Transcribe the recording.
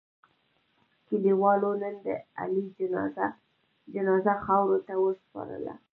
کلیوالو نن د علي جنازه خاورو ته و سپارله.